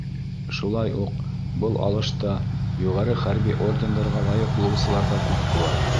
Шулай уҡ был алышта юғары хәрби ордендарға лайыҡ булыусылар ҙа күп була.